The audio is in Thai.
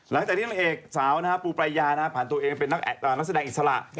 หลังจากที่นั่งเอกสาวนะฮะปูปัญญานะฮะผ่านตัวเองเป็นนักแสดงอิสระ